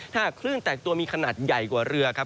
ถ้าหากคลื่นแตกตัวมีขนาดใหญ่กว่าเรือครับ